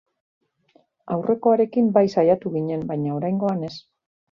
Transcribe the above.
Aurrekoarekin bai saiatu ginen, baina oraingoan ez.